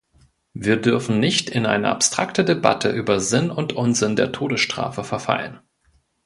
Wir dürfen nicht in eine abstrakte Debatte über Sinn und Unsinn der Todesstrafe verfallen.